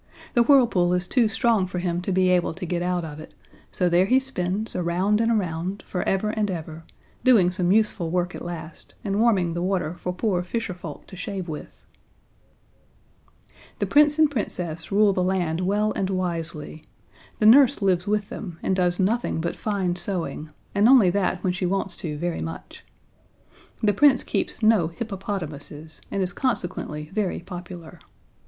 The whirlpool is too strong for him to be able to get out of it, so there he spins around and around forever and ever, doing some useful work at last, and warming the water for poor fisher folk to shave with. The Prince and Princess rule the land well and wisely. The nurse lives with them, and does nothing but fine sewing, and only that when she wants to very much. The Prince keeps no hippopotamuses, and is consequently very popular.